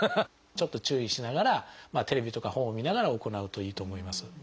ちょっと注意しながらテレビとか本を見ながら行うといいと思います。